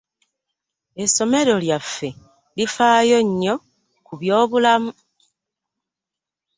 Esomero lyaffe lifaayo nnyo ku by'obulamu.